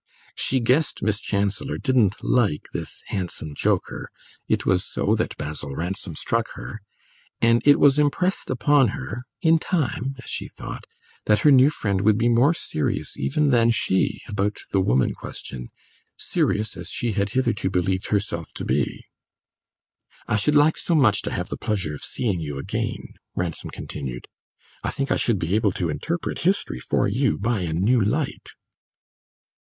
She guessed Miss Chancellor didn't like this handsome joker (it was so that Basil Ransom struck her); and it was impressed upon her ("in time," as she thought) that her new friend would be more serious even than she about the woman question, serious as she had hitherto believed herself to be. "I should like so much to have the pleasure of seeing you again," Ransom continued. "I think I should be able to interpret history for you by a new light."